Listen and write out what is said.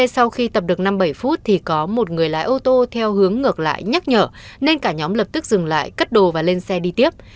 sau khi tập được năm mươi bảy phút thì có một người lái ô tô theo hướng ngược lại nhắc nhở nên cả nhóm lập tức dừng lại cất đồ và lên xe đi tiếp